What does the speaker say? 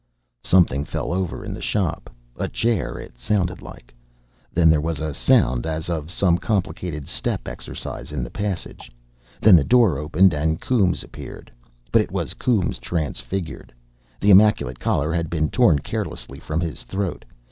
Something fell over in the shop: a chair, it sounded like. Then there was a sound as of some complicated step exercise in the passage. Then the door opened and Coombes appeared. But it was Coombes transfigured. The immaculate collar had been torn carelessly from his throat.